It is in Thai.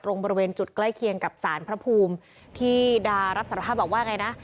บริเวณจุดใกล้เคียงกับสารพระภูมิที่ดารับสารภาพบอกว่าไงนะ